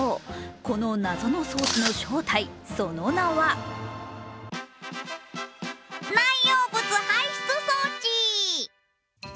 この謎の装置の正体、その名は内容物排出装置。